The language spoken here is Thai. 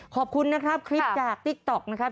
ขอบคุณนะครับคลิปจากติ๊กต๊อกนะครับ